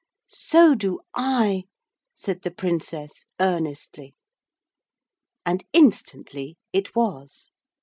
'So do I,' said the Princess earnestly. And instantly it was.